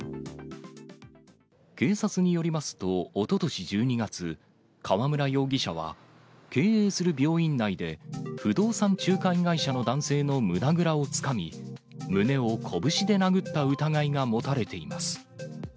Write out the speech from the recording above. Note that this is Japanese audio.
警察によりますと、おととし１２月、河村容疑者は経営する病院内で、不動産仲介会社の男性の胸倉をつかみ、胸を拳で殴った疑いが持たれています。